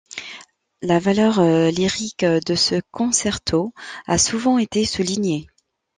La valeur lyrique de ce concerto a souvent été soulignée.